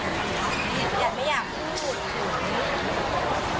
คืออยากดินยันเพราะว่า